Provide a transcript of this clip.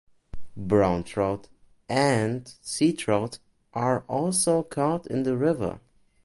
Brown trout and sea trout are also caught in the river.